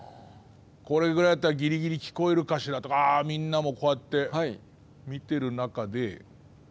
これぐらいだったらぎりぎり聞こえるかしらとかみんなもこうやって見てる中で。